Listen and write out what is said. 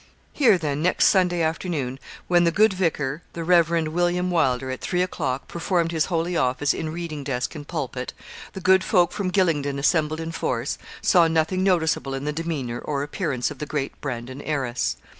Here then, next Sunday afternoon, when the good vicar, the Rev. William Wylder, at three o'clock, performed his holy office in reading desk and pulpit, the good folk from Gylingden assembled in force, saw nothing noticeable in the demeanour or appearance of the great Brandon heiress.